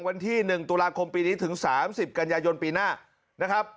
วันที่หนึ่งตุลาคมปีนี้ถึงสามสิบกัญญายนต์ปีหน้านะครับ